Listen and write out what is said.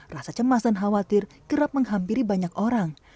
rasa cemas dan khawatir kerap menghampiri banyak orang